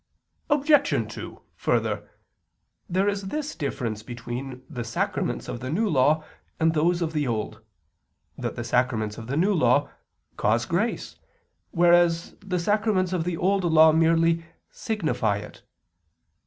Obj. 2: Further, there is this difference between the sacraments of the New Law and those of the Old, that the sacraments of the New Law cause grace, whereas the sacraments of the Old Law merely signify it.